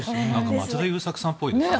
松田優作さんっぽいですね。